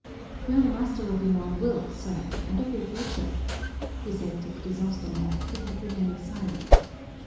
"You are the master of your own will, sir, and of your future," he said to Crisostomo, who had remained silent.